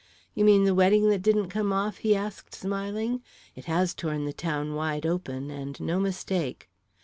"You mean the wedding that didn't come off?" he asked, smiling. "It has torn the town wide open, and no mistake."